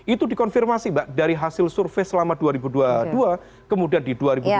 itu dikonfirmasi mbak dari hasil survei selama dua ribu dua puluh dua kemudian di dua ribu dua puluh